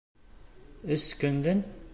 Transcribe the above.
Өс көндән?..